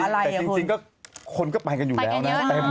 แต่จริงก็คนก็ไปกันอยู่แล้วนะ